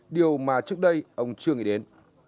điều mà trước đây ông chưa nghĩ đến